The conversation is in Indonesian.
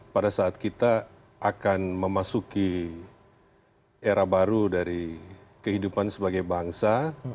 pada saat kita akan memasuki era baru dari kehidupan sebagai bangsa